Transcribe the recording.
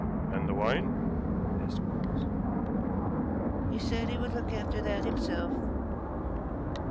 "And the wine?" asked Quarles. "He said he would look after that himself."